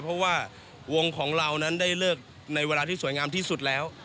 เพราะว่าวงของเรานั้นได้เลิกในเวลาที่สวยงามที่สุดแล้ว